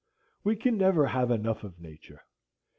We can never have enough of Nature.